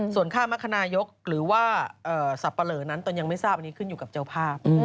ส่วนค่ามรรคนายกหรือว่าสับปะเหลอนั้นตนยังไม่ทราบอันนี้ขึ้นอยู่กับเจ้าภาพ